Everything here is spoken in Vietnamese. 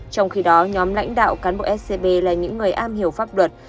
trong khi đó nhóm lãnh đạo cán bộ scb là những người am hiểu pháp luật